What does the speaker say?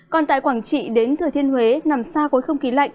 còn tại quảng trị đến thừa thiên huế nằm xa khối không khí lạnh